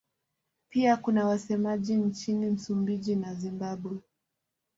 Pia kuna wasemaji nchini Msumbiji na Zimbabwe.